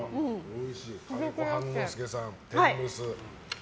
金子半之助さんの天むす。